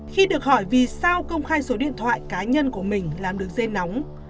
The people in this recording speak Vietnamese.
khi được hỏi vì sao công khai số điện thoại cá nhân của mình làm đường dây nóng